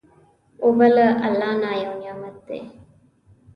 اوبه له الله نه یو نعمت دی.